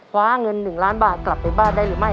คว้าเงิน๑ล้านบาทกลับไปบ้านได้หรือไม่